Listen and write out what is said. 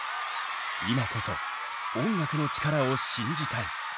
今こそ音楽の力を信じたい。